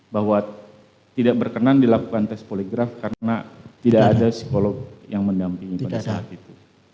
bahwa tidak berkenan dilakukan tes poligraf karena tidak ada psikolog yang mendampingi pada saat itu